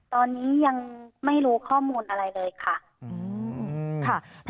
ตอนนี้ยังไม่รู้ข้อมูลอะไรเลยค่ะ